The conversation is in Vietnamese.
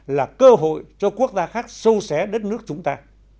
là cơ hội cho quốc gia khác sâu xé đất nước chúng ta